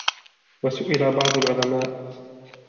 وَسُئِلَ بَعْضُ الْعُلَمَاءِ